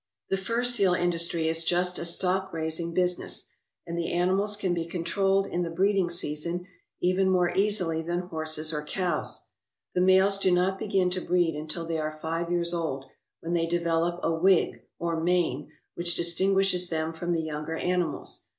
The fur seal industry is just a stock raising business, and the animals can be controlled in the breeding season even more easily than horses or cows. The males do not begin to breed until they are five years old, when they develop a wig, or mane, which distinguishes them from the younger animals.